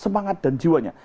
semangat dan jiwanya